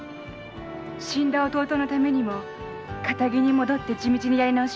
死んだ弟のためにも堅気に戻って地道にやり直します。